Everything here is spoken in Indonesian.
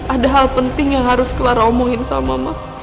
ada hal penting yang harus clara omongin sama mah